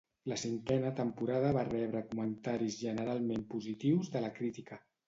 La cinquena temporada va rebre comentaris generalment positius de la crítica.